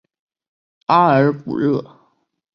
阿尔古热。